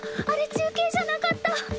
あれ中継じゃなかった！